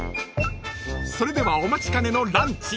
［それではお待ちかねのランチ］